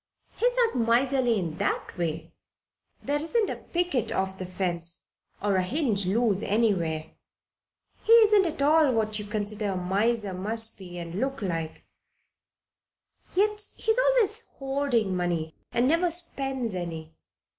He is not miserly in that way. There isn't a picket off the fence, or a hinge loose anywhere. He isn't at all what you consider a miser must be and look like; yet he is always hoarding money and never spends any.